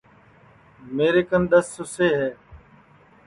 میر کن دؔس سُسے ہے